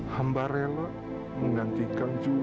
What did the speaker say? hamba rela menggantikan juli